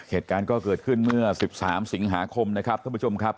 เหตุการณ์ก็เกิดขึ้นเมื่อ๑๓สิงหาคมนะครับท่านผู้ชมครับ